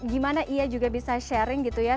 gimana ia juga bisa sharing gitu ya